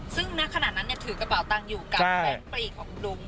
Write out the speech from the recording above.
ซึ่งนะขณะนั้นเนี่ยถือกระเป๋าตังอยู่กับแปลงปรีกของดุง